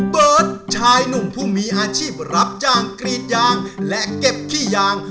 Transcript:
เบิร์ตชายหนุ่มผู้มีอาชีพรับจ้างกรีดยางและเก็บขี้ยาง